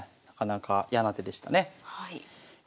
なかなか嫌な手でしたね。